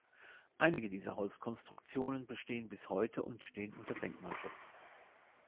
Einige dieser Holzkonstruktionen bestehen bis heute und stehen unter Denkmalschutz.